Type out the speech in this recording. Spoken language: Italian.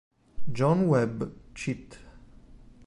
John Webb "cit.